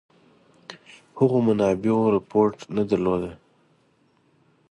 هغو منابعو رپوټ نه درلوده.